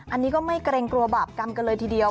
อันนี้ก็ไม่เกรงกลัวบาปกรรมกันเลยทีเดียว